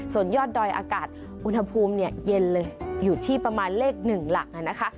ส่วนยอดดอยอากาศอุณหภูมิเย็นเลยอยู่ที่ประมาณเลข๑หลักนะคะ